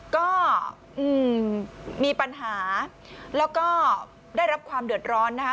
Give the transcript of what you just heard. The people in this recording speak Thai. ก็มีปัญหาแล้วก็ได้รับความเดือดร้อนนะคะ